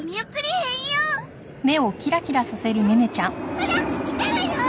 ほら来たわよ！